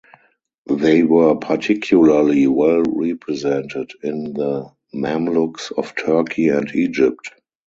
They were particularly well represented in the Mamluks of Turkey and Egypt.